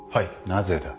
なぜだ？